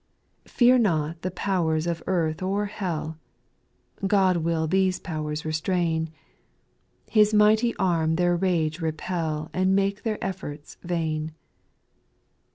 2. Fear not the powers of earth or hell ; God will these powers restrain. His mighty arm their rage repel And make their efforts vain.